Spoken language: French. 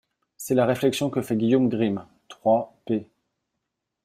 C'est la réflexion que fait Guillaume Grimm (trois, p.